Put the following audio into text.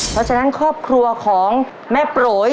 เพราะฉะนั้นครอบครัวของแม่โปรย